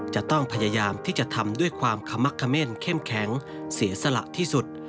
จะต้องพยายามที่จะทำด้วยความขมักเขม่นเข้มแข็งเสียสละที่สุด